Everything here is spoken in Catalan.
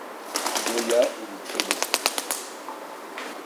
No hi ha horitzó visible.